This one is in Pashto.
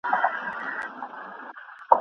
د مرګي لورته مو تله دي په نصیب کي مو ګرداب دی